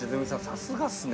さすがっすね